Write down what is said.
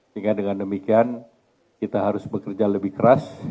sehingga dengan demikian kita harus bekerja lebih keras